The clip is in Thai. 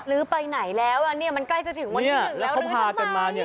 ลื้อไปไหนแล้วอ่ะเนี่ยมันใกล้จะถึงวันที่หนึ่งแล้วลื้อทำไม